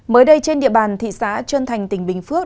mới đây trên địa bàn thị xã trơn thành tỉnh bình phước